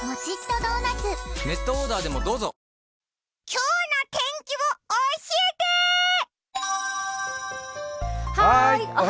今日の天気を教えてー！